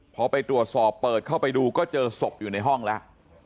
พอไปตรวจสอบเปิดเข้าไปดูก็เจอศพอยู่ในห้องแล้ว